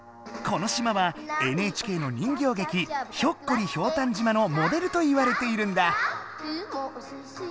この島はＮＨＫの人形劇「ひょっこりひょうたん島」のモデルといわれているんだ。